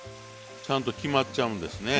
ちゃんと決まっちゃうんですね。